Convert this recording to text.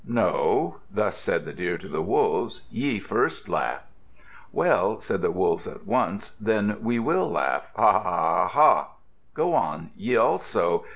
"No," thus said the Deer to the Wolves, "ye first laugh." "Well," said the Wolves at once, "then we will laugh. Ha, ha, ha, ha, ha! Go on, ye also.